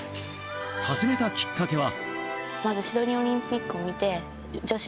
始めたきっかけは。